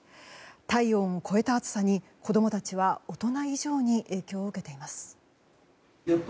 体温を超えた暑さに子供たちは大人以上に影響を受けています。